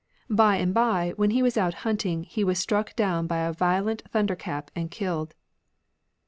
By and by, when he was out hunting, he was struck down by a violent thunderclap, and kiUed."